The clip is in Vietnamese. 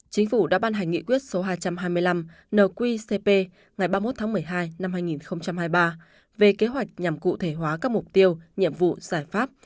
chính phủ đã ban hành nghị quyết số hai trăm hai mươi năm nqcp ngày ba mươi một tháng một mươi hai năm hai nghìn hai mươi ba về kế hoạch nhằm cụ thể hóa các mục tiêu nhiệm vụ giải pháp